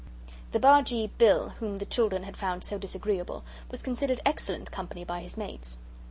The Bargee Bill, whom the children had found so disagreeable, was considered excellent company by his mates.